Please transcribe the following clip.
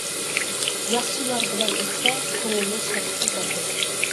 ياخشى يار بىلەن ئۆتسە، كۆڭۈلنىڭ شادلىقى باردۇر.